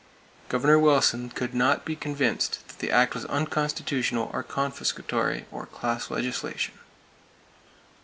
Governor Wilson could not be convinced that the act was "unconstitutional," or "confiscatory" or "class legislation."